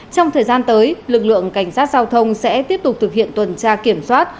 trong thời gian tới lực lượng cảnh sát giao thông sẽ tiếp tục thực hiện tuần tra kiểm soát